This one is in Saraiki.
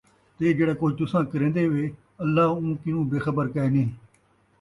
تے جِہڑا کُجھ تُساں کریندے وِے، اللہ اُوں کنوں بے خبر کائے نھیں ۔